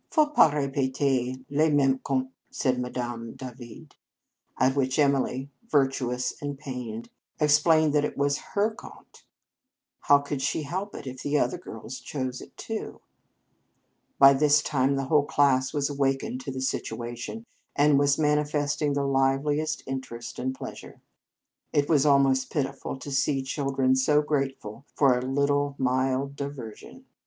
" Faut pas repeter les memes contes," said Madame Davide; at which Emily, virtuous and pained, explained that it 177 In Our Convent Days was her conte. How could she help it if other girls chose it too? By this time the whole class had awakened to the situation, and was manifesting the liveliest interest and pleasure. It was almost pitiful to see children so grateful for a little mild diversion.